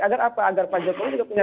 agar apa agar pak jokowi juga punya